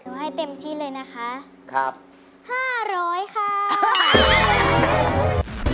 เดี๋ยวให้เต็มที่เลยนะคะครับครับ